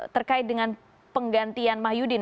terkait dengan penggantian mahyudin